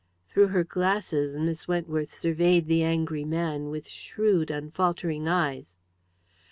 Through her glasses Miss Wentworth surveyed the angry man with shrewd, unfaltering eyes.